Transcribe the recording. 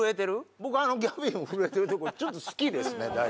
僕ギャビンが震えてるとこちょっと好きですね。